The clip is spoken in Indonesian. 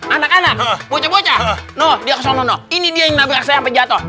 anak anak bocah bocah no dia kesono no ini dia yang nabek saya pejato